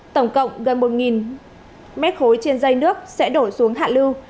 tổng cộng gần một m ba trên dây nước sẽ đổ xuống hạ lưu